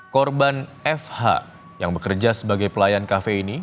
korban fh yang bekerja sebagai pelayan kafe ini